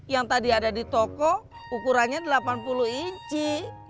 yang tadi ada di toko ukurannya delapan puluh inci